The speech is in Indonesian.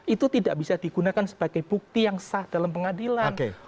itu tidak bisa digunakan sebagai bukti yang sah dalam pengadilan